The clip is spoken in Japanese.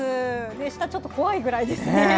下、ちょっと怖いくらいですね。